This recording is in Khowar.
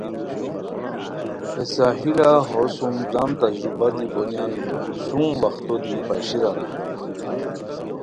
ہے ساحلہ ہو سوم جم تجربہ دی بونیان وا شوم وختو دی پاشیران